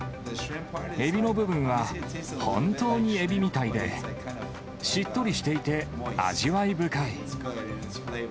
エビの部分は本当にエビみたいで、しっとりしていて味わい深い。